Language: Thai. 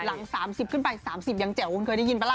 หลัง๓๐ขึ้นไป๓๐ยังแจ๋วคุณเคยได้ยินปะล่ะ